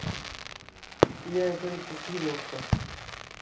ايا ھڪڙي سٺي دوستَ